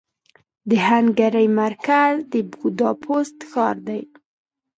د هنګري مرکز د بوداپست ښار دې.